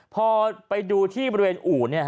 พอไปดูที่บริเวณอู่